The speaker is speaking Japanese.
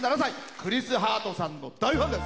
クリス・ハートさんの大ファンです。